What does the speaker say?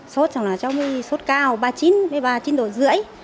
sốt chẳng là cháu mới sốt cao ba mươi chín ba mươi chín độ rưỡi